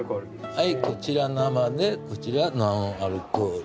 はいこちら生でこちらノンアルコール。